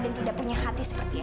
dan tidak punya hati seperti edo